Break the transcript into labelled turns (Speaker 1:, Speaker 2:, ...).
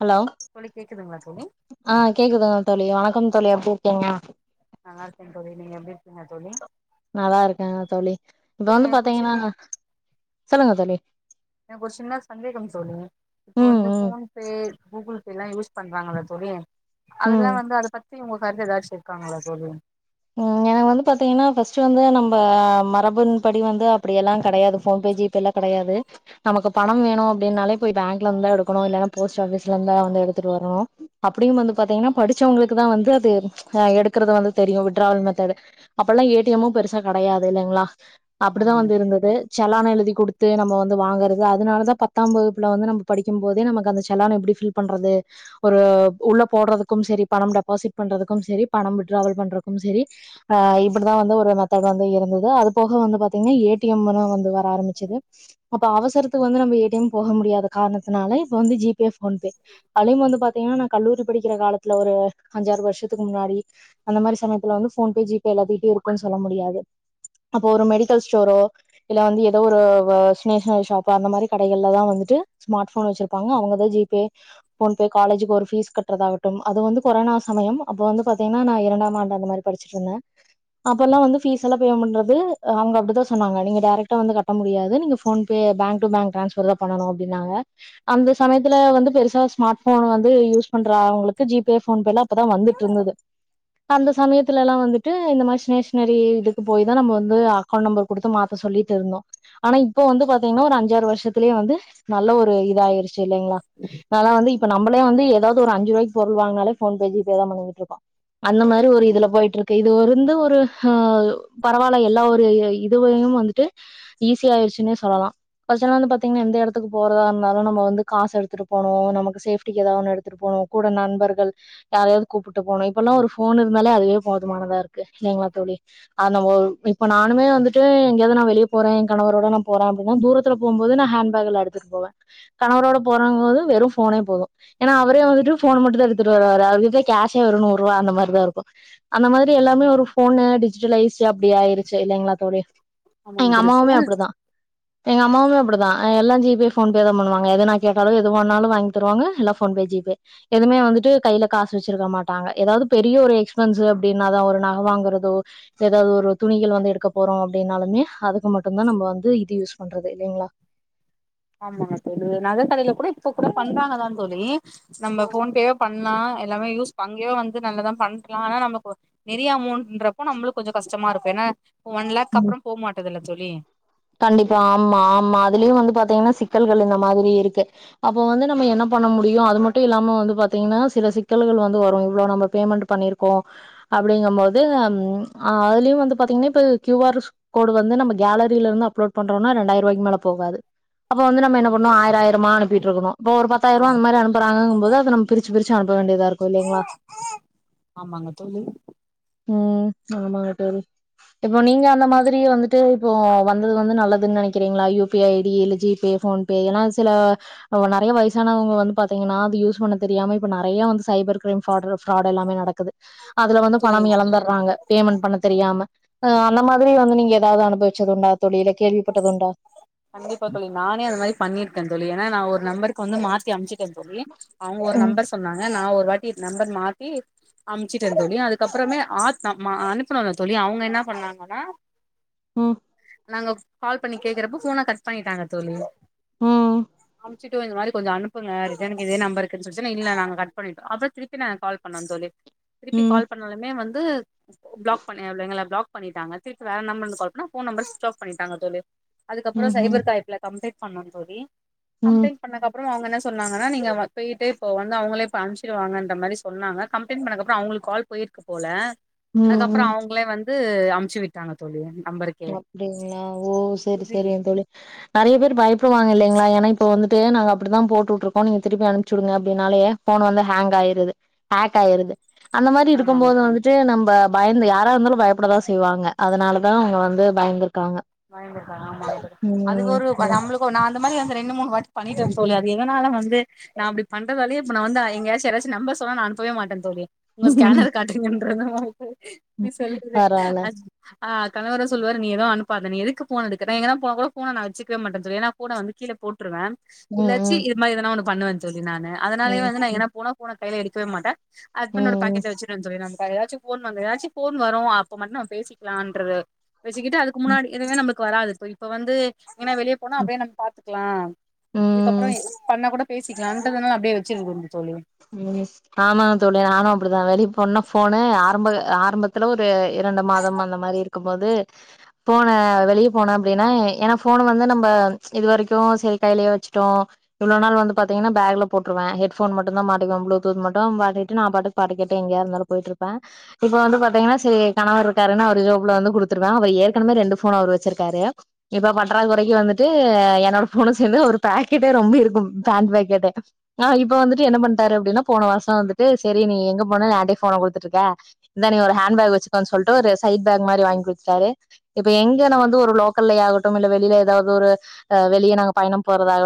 Speaker 1: Hello
Speaker 2: தோழி கேக்குதுங்களா தோழி
Speaker 1: ஆ கேக்குதுங்க தோழி வணக்கம் தோழி எப்டி இருக்கீங்க
Speaker 2: நல்லா இருக்கே தோழி நீங்க எப்படி இருக்கீங்க தோழி
Speaker 1: நல்லா இருக்கேன் தோழி இப்ப
Speaker 2: தோழி
Speaker 1: வந்து
Speaker 2: எனக்கு ஒரு சின்
Speaker 1: பாத்தீங்கன்னா சொல்லுங்க தோழி
Speaker 2: எனக்கு ஒரு சின்ன சந்தேகம் தோழி இப்ப
Speaker 1: ம்
Speaker 2: வந்து
Speaker 1: ம்
Speaker 2: போன்பே கூகுள்பேலா யூஸ் பண்றாங்கள தோழி அதெல்லா
Speaker 1: ம்
Speaker 2: வந்து அத பத்தி ஒங்க வர்ற ஏதாச்சு இருக்காங்களா தோழி
Speaker 1: ம் எனக் வந்து பாத்தீங்கன்னா ஃபர்ஸ்ட் வந்து நம்ம மரபுன் படி வந்து அப்டியெல்லா கிடையாது போன்பே ஜிபேலா கிடையாது நமக்கு பணம் வேணும் அப்டின்னாலே போய் பேங்க்ல இருந்துதா எடுக்கணும் இல்லன்னா போஸ்ட் ஆஃபீஸ்ல இருந்தா வந்து எடுத்துட்டு வரணும் அப்டினு வந்து பாத்தீங்கன்னா படிச்சவங்களுக்குதான் வந்து அது எடுக்கறது வந்து தெரியும் டிரவல் மெத்தடு அப்பெல்லாம் ஏ டி எமும் பெருசா கிடையாது இல்லைங்களா அப்டிதா
Speaker 2: ஆமாங்க
Speaker 1: வந்து
Speaker 2: தோழி
Speaker 1: இருந்தது செலான் எழுதி கொடுத் து நம்ம வந்து வாங்கறது அதனாலதா பத்தாம் வகுப்புல வந்து நம்ம படிக்கும் போதே நமக்கு அந்த செலான் எப்டி ஃபில் பண்றது ஒரு உள்ள போடுறதுக்கும் செரி பணம் டெபாசிட் பண்றதுக்கும் செரி பணம் விட்டாராவல் பண்றது செரி ஆ இப்டிதா வந்து ஒரு மெத்தட் வந்து இருந்தது அது போக வந்து பாத்தீங்கன்னா ஏடிஎம் வந்துதா ஆரம்பிச்சுது அப்ப அவசரத்துக்கு வந்து நம்ம ஏடிஎம் போக முடியாது அந்த காரணத்தினால இப்ப வந்து ஜி பே போன் பே அதும் வந்து பாத்தீங்கன்னா நா கல்லூரி படிக்கிற காலத்துல ஒரு அஞ்சாறு வருஷத்துக்கு முன்னாடி அந்த மாரி சமய அதுல வந்து ஜிபே எல்லாத்துகிட்யு இருக்கு சொல்ல முடியாது அப்போ ஒரு மெடிக்கல் ஸ்டோரோ இல்ல வந்து ஏதோ ஒரு ஸ்டேஷ்னரி ஷாப்போ அந்த மாரி கடைகள்ல தா வந்துட்டு ஸ்மார்ட் ஃபோன் வச்சிருப்பாங்க அவங்கதா ஜிபே போன்ப காலேஜக்கு ஒரு ஃபீஸ் கட்டுறதாகட்டும் அது வந்து கொரோனா சமயம் அப்ப வந்து பாத்தீங்கன்னா இரண்டாம் ஆண்டு அந்த மாரி படிச்சிட்டு இருந்தே அப்ப எல்லா வந்து ஃபீஸ்லா பேமெண்ட் பண்றது அப்டித்தா சொன்னாங்க டைரக்டர் வந்து கட்ட முடியாது ஃபோன்பே பேங்க் பேங்க் ட்ரான்ஸ்பர் தான் பண்ணனு அதனால இந்த சமயத்துல வந்து பெருசா ஸ்மார்ட் ஃபோன் வந்து யூஸ் பண்ற அவங்ளுக்கு ஜிபே ஃபோன்பேல அப்பதா வந்துட்ருந்தது அந்த சமயத் துலலா வந்துட்டு இந்த மார் ஸ்னேஷ்னரி இதுக்கு போய் தா நம்ம வந்து அக்கௌண்ட் நம்பர் குடுத்து மாத்த சொல்லீட்டு ருந்தோ ஆனா இப்போ வந்து பாத்தீங்ன்னா ஒரு அஞ்சாறு வர்ஷத்துலே வந்து நல்ல ஒரு இதாயிருச்சு சி இல்லைங்ளா நால்லா வந்து இ இப்ப நம்பளே வந்து எதாவ்து ஒரு அஞ்சு ருவாய்க் பொருள் வாங்னாலே ஃபோன் பே ஜிபே தா பண்ணிகிட்ருக்கோ அந்த மாரி ஒரு
Speaker 2: ஆமாங்க
Speaker 1: இதுல ட்ருக்கு இது வந்து ஒரு ஹா பரவால்ல எல்லா ஒரு இதுவையு வந்துட்டு ஈஸி ஆயிருச்சுன்னே சொல்லலா ஃபஸ்டல்லா வந்து பாத்தீங்ன்னா எந்த எடத்துக்கு போறதா ர்ந்தாலு நம்ம வந்து காசு எடுத்துட்டு போனு நமக்கு சேஃப்டிக்கு ஏதா ஒன்னு எடுத்துட்டு போனு கூட நண்பர்கள் யாரையாவ்து கூப்புட்டு போனு இப்பெல்லா ஒரு ஃபோன் இருந்தாலே அதுவே போதுமானதா ருக்கு இல்லைங்ளா தோழி அது நம்ம இப்ப நானுமே வந்துட்டு எங்கயாவது நா வெளிய போறே கணவரோட நா போற அப்டின்னா தூரத்துல போம்போது நா ஹேண்பேக்ல எடுத்துட்டு போவ கணவரோட போறேங்போது வெறு ஃபோனே போது ஏன்னா அவரே வந்துட்டு ஃபோன் மட்டுந் தா எடு துரு வருவாரு அவர் கிட்ட கேஷே ஒரு நூறுருவா அந்த மாரிதா இருக்கு அந்த மாதுரி எல்லாமே ஒரு ஃபோன்னு டிச் சிலைஸ்ட் அப்டி ஆயிருச்சு இல்லைங்ளா தோழி எங்க
Speaker 2: ஆமாங்க தோழி
Speaker 1: அம்மாவுமே
Speaker 2: போனு
Speaker 1: அப்டிதா எங் அம் மாவுமே அப்பு டிதா எல்லா ஜிபே ஃபோன்பே தா பண்ணுவாங்க எதனா கேட்டாலு எதுவேனாலு வாங்கி தருவாங்க எல்லா போன்பே ஜிபே எதுமே வந்துட்டு கைல காசு வெச்சிருக்க மாட்டாங்க ஏதாவ்து பெரிய ஒரு எக்ஸ்பென்ஸ் ப்டின்னாதா ஒரு நக வாங்குறதோ எதாவது ஒரு துணிகள் வந்து எடுக்க போறோ அப்டின்னாலுமே அதுக்கு மட்டுந்தா நம்ப வந்து இது யூஸ் பண்றது இல்லைங்ளா
Speaker 2: ஆமாங்க தோழி நக கடைல கூட இப்ப கூட பண்றாங்கதான் தோழி நம்ம போன் பே பண்ணா எல்லாமே யூஸ் அங்கயே வந்து நல்லதான் பண்ட்லா ஆனா நமக்கு ஒரு நெரியா அமௌண்ட்ன்றப்போ நம்ளுக் கொஞ்சொ கஷ்டமா இருக்கு ஏனா
Speaker 1: ம் கண்டிப்பா ஆமா ஆமா அதுலியு வந்து பாத்தீங்கன்னா சிக்கல்கள் இந்த மாதிரி இருக்கு அப்போ வந்து நம்ம என்ன பண்ண முடியு அது மட்டு இல்லாம வந்து பாத்தீங்கன்னா சில சிக்கல்கள் வந்து வரு இவ்ளோ நம்ம பேமெண்ட் பண்ணிருக்கோ அப்டிங்கம்போது ம் அ அதுலயு வந்து பாத்தீங்ன்னா இப்ப க்யூ ஆர் கோடு வந்து நம்ம கேலரில இருந்து அப்லோட் பண்றோனா ரெண்டாயிருவாய்க் மேல போகாது அப்போ வந்து நம்ம என்ன பண்ணு
Speaker 2: ஆமா
Speaker 1: ஆயிர ஆயிரமா அனுப்பீட்ருக்கனு இப்போ ஒரு
Speaker 2: ஆ
Speaker 1: பத்தாயிருவா அந்த மாரி அனுப்புறாங்கங்கும்போது அது நம் பிரிச்சு பிரிச்சு அனுப்ப வேண்டியதா இருக்கு இல்லைங்ளா
Speaker 2: ஆமாங்க தோழி
Speaker 1: ம் ஆமாங்க தோழி இப்போ நீங்க அந்த மாதிரி வந்துட்டு இப்போ வந்தது வந்து நல்லதுன் நெனக்கிறீங்ளா U P I I D இல்ல ஜீ பே, ஃபோன் பே எல்லா சில நெறையா வயசானவங்க வந்து பாத்தீங்கன்னா அது யூஸ் பண்ண தெரியாம இப்போ நெறயா வந்து சைபர் க்ரைம் ஃபிராடு ஃபிராடு எல்லாமே நட க்குது அதுல வந்து
Speaker 2: இல்ல தோழி
Speaker 1: பணம் எளந்தர்றாங்க பேமெண்ட் பண்ணத் தெரியாம அ அந்தமாதிரி வந்து நீங்க எதாவது அனுபவிச்சதுண்டா தோழி இல
Speaker 2: கண்டிப்பா தோழி நானே அது மாரி பண்ணிருக்கன் தோழி ஏனா நா ஒரு நம்பருக்கு வந்து மாத்தி அம்ச்சு டேன் தோழி அவுங்க ஒரு
Speaker 1: ம்,
Speaker 2: நம்பர் சொன்னாங்க நா ஒ ரு வாட்டி நம்பர் மாத்தி அம்ச்சுட்டேன் தோழி அதுக்கப்றமே ஆ மா அனுப்புனல்ல தோழி அவுங்க என்ன பண்ணாங்கன்னா
Speaker 1: ம்
Speaker 2: நாங்க கால் பண்ணி கேக்கறப்ப ஃபோன கட் பண்ணிட்டாங்க தோழி
Speaker 1: ம்,
Speaker 2: அம்ச்சுட்டோ இந்த மாரி கொஞ்சொ அனுப்புங்க ரிடன்க்கு இதே நம்பர்க்குன் சொல்ட்டு நா இல்ல நாங்க கட் பண்ணிட்டோ அப்றொ திருப்பி நா கால் பண்ணோன் தோழி திருப்பி
Speaker 1: ம்,
Speaker 2: கால் பண்ணாலுமே வந் து ப்ளோக் பண்ணி எங்கள ப்ளோக் பண்ணிட்டாங்க திருப்பி வேற நம்பர்ல்ந்து கால் பண்ணா ஃபோன் நம்பர் ஸ்விச் ஆஃப் பன்னி டாங்க தோழி அதுக்கப்பறோ
Speaker 1: ம்ஹ்ம்,
Speaker 2: சைபர் காய்ப்ல கம்ப்ளைன் பண்ணோந் தோழி
Speaker 1: ம்,
Speaker 2: கம்ப்ளைன் பண்ணக்கப் றோ அவுங்க என்ன சொன்னாங்கன்னா நீங்க வ பெய்ட்டு இப்போ வந்து அவுங்களே இப்ப அனுப்ச்சிருவாங்கன்ற மாரி சொன்னாங்க கம்ப்ளைண்ட் பண்ணக்கப்பறோ அவுங்களுக்கு கால் போயிருக்கு போல
Speaker 1: ம்,
Speaker 2: அதுக்கப்றோ
Speaker 1: ம்.
Speaker 2: அவுங்ளே வந்து அ ம்ச்சி விட்டாங்க தோழி நம்பருக்கே
Speaker 1: ஓ அப்டிங்ளா ஓ செரி
Speaker 2: இது
Speaker 1: செரிங் தோழி நெறய பேர் பயப்புருவாங்க இல்லங்களா ஏனா இப்போ போ வந்துட்டு நாங்க அப்புடித்தா போட்டு விட்டுருக்கோ நீங்க திருப்பி அனுப்ச்சி விடுங்க அப்டினாலே ஃபோன் வந்து ஹேங் ஆயிருது ஹேக் ஆயிர்து அந்த மாரி
Speaker 2: ஆமாங்க
Speaker 1: இருக்கும்போது
Speaker 2: தோழி
Speaker 1: வந்துட்டு நம்ப பயந்து யாரா இருந்தாலு பயப்படதா செய்வாங்க அதனாலதா அவுங்க வந் து பயந்துர்
Speaker 2: பயந்திருக்காங்க ஆமா தோழி அது
Speaker 1: ம்
Speaker 2: ஒரு
Speaker 1: ம்
Speaker 2: நம்முளுக்கு நான் இந்த மாரி வந்து ரெண்டு மூணுவாட்டி பண்ணிட்டந் தோழி அது எதனால வந்து நா அப்டி பண்றதாலயே இப்ப நா வந்து எங்க யாச்சு யாராச்சி நம்பர் சொன்னா நா அனுப்பவே மாட்ட தோழி உங்க ஸ்கேனர காட்டுங்கன்றுவ நீ செல்ல குடு
Speaker 1: பரவால
Speaker 2: ஆ கணவரு சொல்லுவாரு நீ எது அனுப் பாத நீ எதுக்கு ஃபோன எடுக்கிற நா எங்கனா போனா கூட ஃபோன நா வெச்சிக்கவே மாட்ட தோழி ஏன்னா ஃபோன வந்து கீழ போட் ருவே
Speaker 1: ம்
Speaker 2: இல்லாச்சி
Speaker 1: ம்
Speaker 2: இது மாரி எதனா ஒண்ணு பண்ணுவந் தோழி நானு அதனாலயே
Speaker 1: ம்
Speaker 2: வந்து நா எங்கனா போனா ஃபோன கைலெ எடுக்கவே மாட்ட ஹஸ்பண்டோட
Speaker 1: ம்
Speaker 2: பாக்கெட்ல வச்சிட்டு வந்துருவே நானு வேற எதாச்சு ஃபோன் வந்து ஏதாச்சு ஃபோன் வரு அப்ப மட்டு நம்ம பேசிக்கலான்ற வச்சிக்கிட்டு இதுக்கு முன்னாடி இதுவே நம்ளுக் கு வராது இப்ப இப்ப வந்து எங்கன்னா வெளியே போனா அப்டியே நம்ம பாத்துக்கலா இதுக்கப்றோ
Speaker 1: ம்
Speaker 2: எது பண்ணா கூட பேசிக்கலான்றதனால அப்டியே வச்சிருங்க வந்து
Speaker 1: [inaudible] ஆம்மா தோழி நானு அப்பிடிதா வெளிய போனனா ஃபோனு ஆரம்ப ஆரம்பத்துல ஒரு இரண்டு மாதம் அந்த மாரி இருக்கும் போது போன வெளியே போனே அப்டின்னா ஏன்னா ஃபோன வந்து நம்ப இதுவரைக்கு சரி கைலயே வச்சுட்டோ இவ்ளோ நாள் வந்து பாத்தீங்கன்னா பேக்லெ போட்ருவே ஹெட்ஃபோன் மட் டுந்தா மாட்டிக்குவ புளுடூத் மட்டு மாட்டிட்டு நா பாட்டுக் பாட்டு கேட்டுட்டு எங்கயா இருந்தாலு போய்ட்ருப்பே இப்ப வந்து பாத்திங்கன்னா சரி கணவர் இருக்காருனு அவரு ஜோப்ல வந்து குடுத்துருவ அவ ஏற்கனவே ரெண்டு ஃபோனு அவுரு வச்சிருக்காரு இப்ப பட்றா கொறக்கி வந்துட்டு என்னோட ஃபோனு சேந்து அவரு பேக்கெட்டே ரொம்பிருக்கு பேண்ட் பாக்கெட்டே ஆ இப்ப வந்திட் டு என்ன பண்ட்டாரு அப்டின்னா போன வர்ஷ வந்துட்டு சரி நீ எங்க ஃபோனாலு ஏன்ட்டயே ஃபோன குடுத்துட்ருக்க இந்தா நீ ஒரு ஹேண்ட் பேக் வச்சுக்கோன் சொல்ட்டு ஒரு சைட் பேக் மாரி வாங் குடுத்துட்டாரு இப்ப எங்கனா வந்து ஒரு லோக்கல்லே ஆகட்டும் இல்ல வெளிலெ எதாவுது ஒரு ஆ வெளிய நாங்க பயணம் போறதாகட்